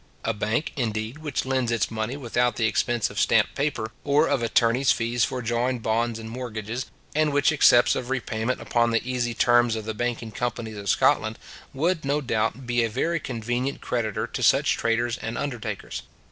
A bank, indeed, which lends its money without the expense of stamped paper, or of attorneys' fees for drawing bonds and mortgages, and which accepts of repayment upon the easy terms of the banking companies of Scotland, would, no doubt, be a very convenient creditor to such traders and undertakers.